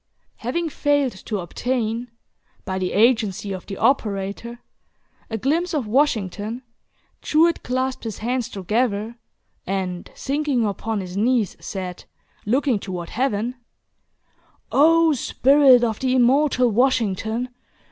Having failed to obtain, by the agency of the operator, a glimpse of Washington, Jewett clasped his hands together, and sinking upon his knees, said, looking toward Heaven: "O spirit of the immortal Washington!